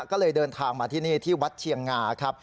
ก็เลยเดินทางมาที่นี่ที่วัดเชียงงาครับ